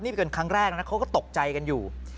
นี่เป็นครั้งแรกนะเขาก็ตกใจกันอยู่